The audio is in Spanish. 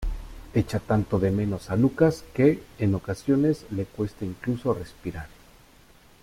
Echa tanto de menos a Lucas que, en ocasiones, le cuesta incluso respirar.